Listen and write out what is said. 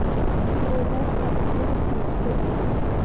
Le da acción a la serie.